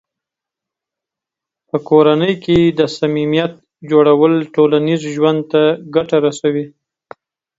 په کورنۍ کې د صمیمیت جوړول ټولنیز ژوند ته ګټه رسوي.